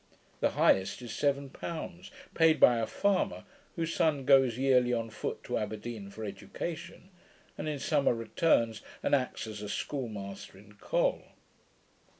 The highest is seven pounds, paid by a farmer, whose son goes yearly on foot to Aberdeen for education, and in summer returns, and acts as a school master in Col.